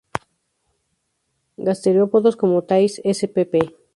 Gasterópodos como "Thais" spp.